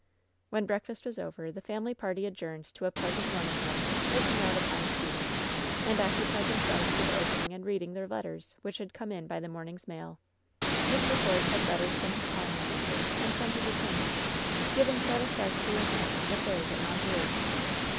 When breakfast was over the family party adjourned to a pleasant morning room looking out upon the sea, and occupied themselves with opening and reading their letters, which had come in by the morning's mail. Mr. Force had letters from his farm manager and from his attorney, giving satisfactory accounts of affairs at Mondreer.